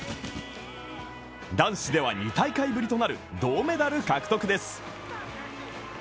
男子では２大会ぶりとなる銅メダル獲得です。